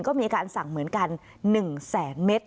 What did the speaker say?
ก็มีการสั่งเหมือนกัน๑แสนเมตร